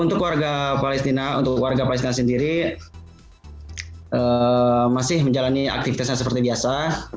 untuk warga palestina untuk warga palestina sendiri masih menjalani aktivitasnya seperti biasa